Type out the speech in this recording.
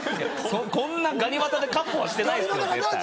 こんなガニ股で闊歩はしてないですよ絶対。